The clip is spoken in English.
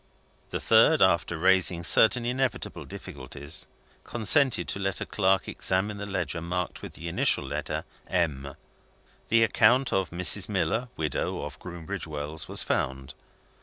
The third, after raising certain inevitable difficulties, consented to let a clerk examine the ledger marked with the initial letter "M." The account of Mrs. Miller, widow, of Groombridge Wells, was found.